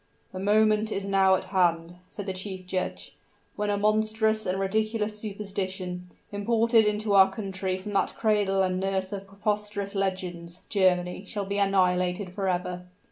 "The moment is now at hand," said the chief judge, "when a monstrous and ridiculous superstition, imported into our country from that cradle and nurse of preposterous legends Germany shall be annihilated forever.